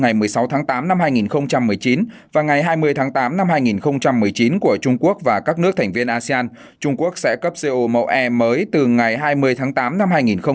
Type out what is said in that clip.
ngày một mươi sáu tháng tám năm hai nghìn một mươi chín và ngày hai mươi tháng tám năm hai nghìn một mươi chín của trung quốc và các nước thành viên asean trung quốc sẽ cấp co mẫu e mới từ ngày hai mươi tháng tám năm hai nghìn hai mươi